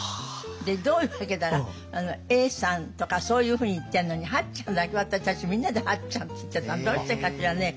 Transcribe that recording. でどういうわけだか永さんとかそういうふうに言ってるのに八ちゃんだけは私たちみんなで八ちゃんって言ってたのはどうしてかしらね？